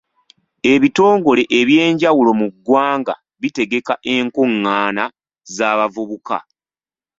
Ebitongole eby'enjawulo mu ggwanga bitegeka enkungaana z'abavubuka.